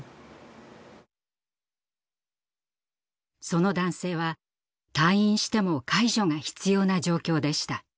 その男性は退院しても介助が必要な状況でした。